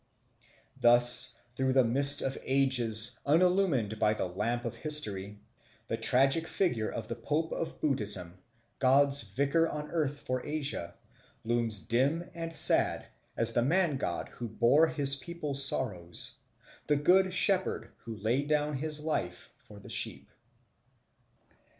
Thus through the mist of ages unillumined by the lamp of history, the tragic figure of the pope of Buddhism God's vicar on earth for Asia looms dim and sad as the man god who bore his people's sorrows, the Good Shepherd who laid down his life for the sheep.